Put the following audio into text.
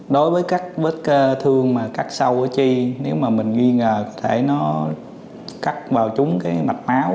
đối với các vết thương mà cắt sâu ở chi nếu mà mình nghi ngờ có thể nó cắt vào chúng cái mạch máu